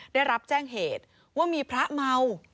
ได้รับแจ้งเหตุว่ามีพระเมา